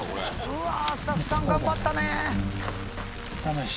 うわスタッフさん頑張ったね。